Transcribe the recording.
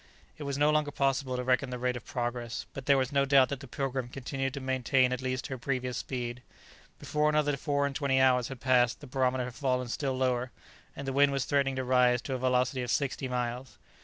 It was no longer possible to reckon the rate of progress, but there was no doubt that the "Pilgrim" continued to maintain at least her previous speed. Before another four and twenty hours had passed the barometer had fallen still lower, and the wind was threatening to rise to a velocity of sixty miles.